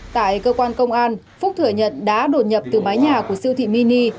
tại cơ quan công an phúc thừa nhận đã đột nhập từ mái nhà của siêu thị mini